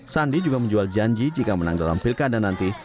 sandi juga menjual janji jika menang dalam pilkada nanti